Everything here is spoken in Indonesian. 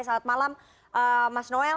selamat malam mas noel